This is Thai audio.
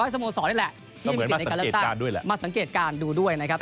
สโมสรนี่แหละที่ยังมีสิทธิ์ในการเลือกตั้งมาสังเกตการณ์ดูด้วยนะครับ